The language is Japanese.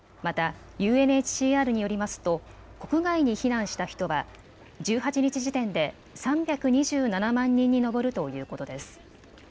また、ＵＮＨＣＲによりますと国外に避難した人は１８日時点で３２７万人に上るということです。